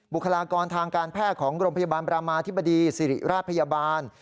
บุคลากรทางการแพทย์ของโรงพยาบาลประมาธิบดีสิริราชพยาบาล